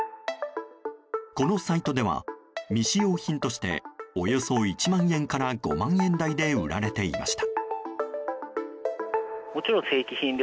このサイトでは未使用品としておよそ１万円から５万円台で売られていました。